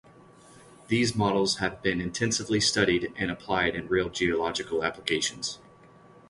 These models have been intensively studied and applied in real geological applications.